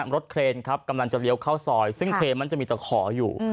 เครนครับกำลังจะเลี้ยวเข้าซอยซึ่งเครนมันจะมีตะขออยู่